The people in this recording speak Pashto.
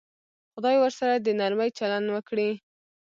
خدای ورسره د نرمي چلند وکړي.